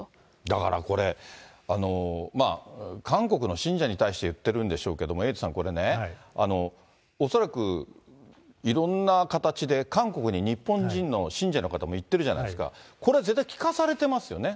だからこれ、韓国の信者に対して言ってるんでしょうけど、エイトさん、これね、恐らくいろんな形で韓国に日本人の信者の方も行ってるじゃないですか、これ、絶対聞かされてますよね。